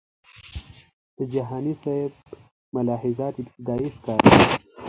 د جهانی سیب ملاحظات ابتدایي ښکاري.